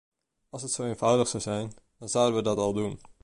Als het zo eenvoudig zou zijn, dan zouden we dat al doen.